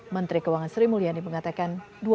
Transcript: menteri keuangan sri mulyani mengatakan